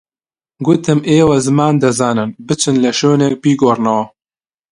گوتم ئێوە زمان دەزانن، بچن لە شوێنێک بیگۆڕنەوە